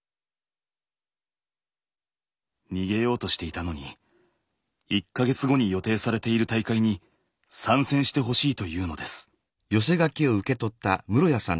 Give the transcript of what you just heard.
逃げようとしていたのに１か月後に予定されている大会に参戦してほしいというのです。